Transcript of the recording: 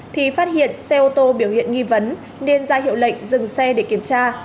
thì phát hiện xe ô tô biểu hiện nghi vấn nên ra hiệu lệnh dừng xe để kiểm tra